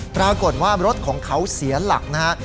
ปรากฏว่ารถของเขาเสียหลักนะฮะ